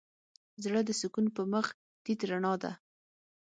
زړه د سکون په مخ تيت رڼا ده.